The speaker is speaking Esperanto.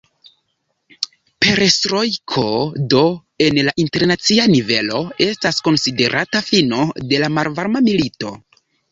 Perestrojko do, en la internacia nivelo, estas konsiderata fino de la Malvarma milito.